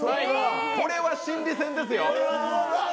これは心理戦ですよ！